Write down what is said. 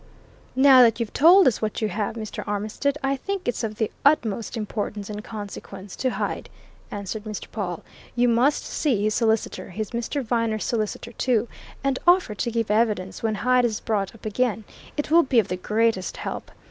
"Now that you've told us what you have, Mr. Armitstead, I think it's of the utmost importance and consequence to Hyde," answered Mr. Pawle. "You must see his solicitor he's Mr. Viner's solicitor too and offer to give evidence when Hyde's brought up again; it will be of the greatest help.